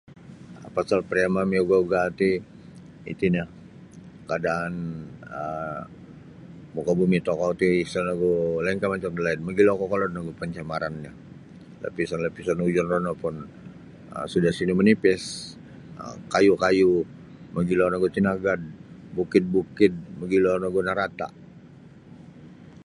Pasal pariama miugah-ugah ti iti nio keadaan um mukabumi tokou ti sa nogu lainkah macam dalaid mogilo kokolod nogu pencemarannyo tapi lapisan-lapisan ozon no pun sinumanipis kayu-kayu mogilo nogu tinagad bukid-bukid mogilo nogu rinata.